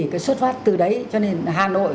cái xuất phát từ đấy cho nên hà nội